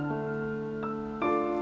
gak ada apa apa